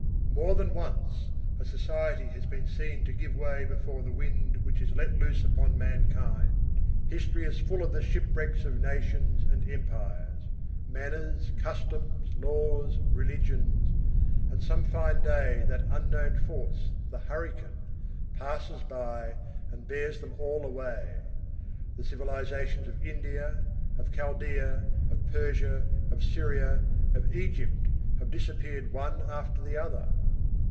More than once, a society has been seen to give way before the wind which is let loose upon mankind; history is full of the shipwrecks of nations and empires; manners, customs, laws, religions,—and some fine day that unknown force, the hurricane, passes by and bears them all away. The civilizations of India, of Chaldea, of Persia, of Syria, of Egypt, have disappeared one after the other.